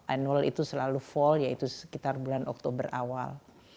anul itu selalu fall yaitu sekitar bulan oktober awal